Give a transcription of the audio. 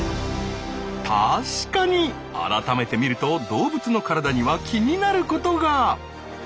確かに改めて見ると動物の体には気になることが。